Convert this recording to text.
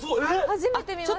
初めて見ました。